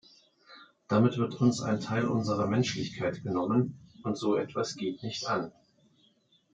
Damit wird uns ein Teil unserer Menschlichkeit genommen, und so etwas geht nicht an.